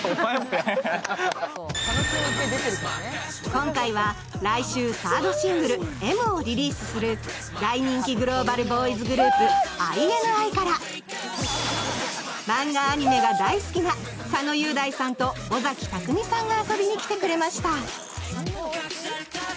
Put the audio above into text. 今回は来週サードシングル「Ｍ」をリリースする大人気グローバルボーイズグループ、ＩＮＩからマンガ・アニメが大好きな佐野雄大さんと尾崎匠海さんが遊びに来てくれました。